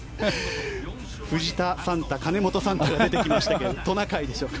藤田サンタ、兼本サンタが出てきましたがトナカイでしょうか。